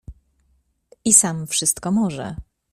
I sam wszystko może.